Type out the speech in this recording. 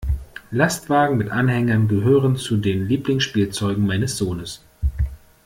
Lastwagen mit Anhängern gehören zu den Lieblingsspielzeugen meines Sohnes.